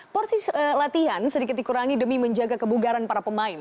porsi latihan sedikit dikurangi demi menjaga kebugaran para pemain